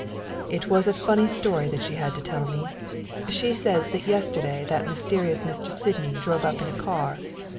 "It was a funny story that she had to tell me. She says that yesterday that mysterious Mr. Sydney drove up in a car.